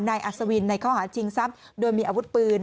นายอัศวินในข้อาจจิงซ้ำโดยมีอาุรุณปืน